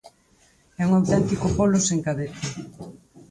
É un auténtico polo sen cabeza.